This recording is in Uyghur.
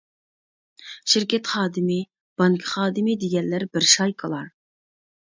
شىركەت خادىمى، بانكا خادىمى دېگەنلەر بىر شايكىلار.